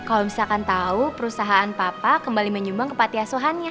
kalo misalkan tau perusahaan papa kembali menyumbang ke pantiasuhannya